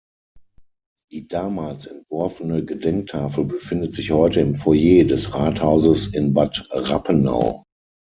Die damals entworfene Gedenktafel befindet sich heute im Foyer des Rathauses in Bad Rappenau.